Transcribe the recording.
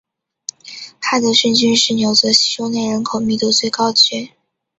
哈德逊郡是纽泽西州内人口密度最高的郡。